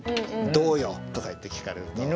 「どうよ！」とか言って聞かれると。